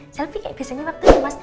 selfie kayak biasanya waktu itu mas